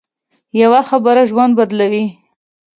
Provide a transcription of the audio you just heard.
یوه خبره ژوند بدلوي